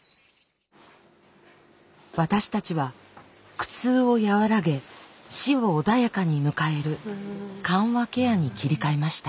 私たちは苦痛を和らげ死を穏やかに迎える「緩和ケア」に切り替えました。